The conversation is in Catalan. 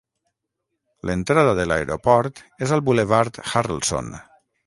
L'entrada de l'aeroport és al Boulevard Harrelson.